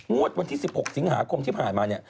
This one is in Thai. วันที่๑๖สิงหาคมที่ผ่านมาเนี่ย